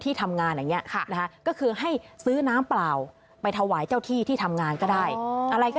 ที่มีเกณฑ์จะถูกรางวัลใหญ่นะ